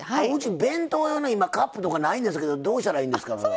弁当用のカップとか今ないんですけどどうしたらいいですか？